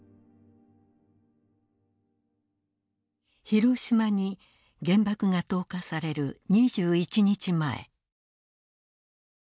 広島に原爆が投下される２１日前。